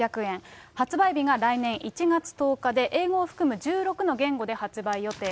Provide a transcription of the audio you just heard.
発売日が来年１月１０日で、英語を含む１６の言語で発売予定。